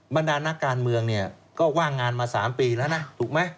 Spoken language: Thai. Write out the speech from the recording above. บัทดาลนักการเมืองก็ว่างงานมาสามปีแล้วถูกไหม